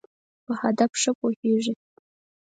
په هدف ښه پوهېږی.